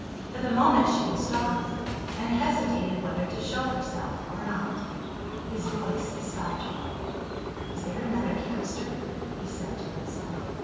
For the moment she was startled, and hesitated whether to show herself or not. His voice stopped her. "Is there another canister?" he said to himself.